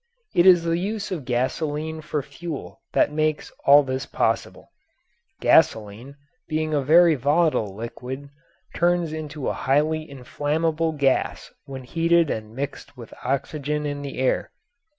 It is the use of gasoline for fuel that makes all this possible. Gasoline, being a very volatile liquid, turns into a highly inflammable gas when heated and mixed with the oxygen in the air.